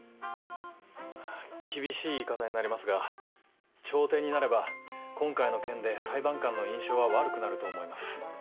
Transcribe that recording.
厳しい言い方になりますが調停になれば今回の件で裁判官の印象は悪くなると思います。